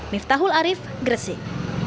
miftahul arif gresik